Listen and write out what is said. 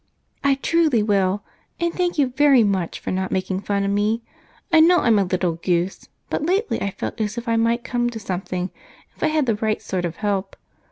"I truly will, and thank you very much for not making fun of me. I know I'm a little goose, but lately I've felt as if I might come to something if I had the right sort of help.